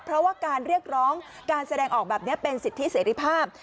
เพราะว่าการเรียกร้องการแสดงออกแบบนี้เป็นสิทธิเสรีภาพ